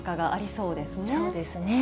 そうですね。